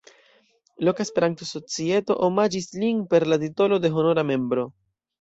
Loka Esperanto-societo omaĝis lin per la titolo de honora membro.